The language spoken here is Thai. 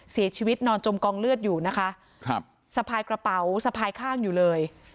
เสียชีวิตนอนจมกองเลือดอยู่นะคะครับสะพายกระเป๋าสะพายข้างอยู่เลย